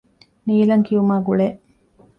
ނީލަން ކިޔުމާގުޅޭ